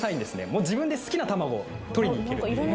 もう自分で好きな卵を取りにいける・